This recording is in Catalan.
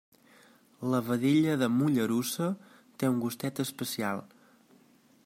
La vedella de Mollerussa té un gustet especial.